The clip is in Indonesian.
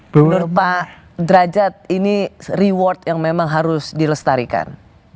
menurut pak derajat ini reward yang memang harus dilestarikan